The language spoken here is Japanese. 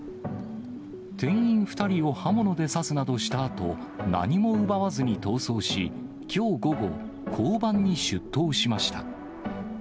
店員２人を刃物で刺すなどしたあと、何も奪わずに逃走し、きょう午後、交番に出頭しました。